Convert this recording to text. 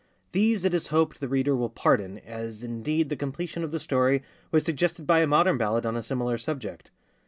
These it is hoped the reader will pardon, as, indeed, the completion of the story was suggested by a modern ballad on a similar subject.